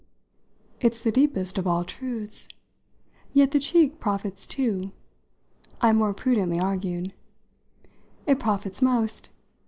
"It's the deepest of all truths. Yet the cheek profits too," I more prudently argued. "It profits most.